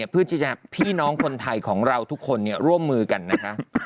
เพื่อที่จะพี่น้องคนไทยของเราทุกคนร่วมมือกันนะคะ